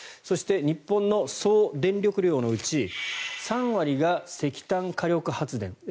そして、日本の総電力量のうち３割が石炭火力発電。